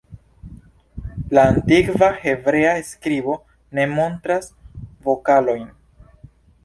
La antikva hebrea skribo ne montras vokalojn.